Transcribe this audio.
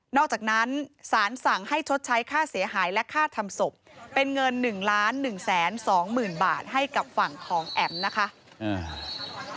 อกจากนั้นสารสั่งให้ชดใช้ค่าเสียหายและค่าทำศพเป็นเงิน๑๑๒๐๐๐บาทให้กับฝั่งของแอ๋มนะคะ